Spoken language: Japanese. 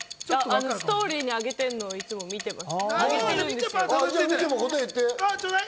ストーリーにあげてるのを見てます。